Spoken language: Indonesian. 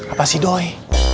apa sih doi